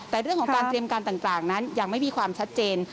แต่เรื่องของการเตรียมการต่างนั้นยังไม่มีความชัดเจน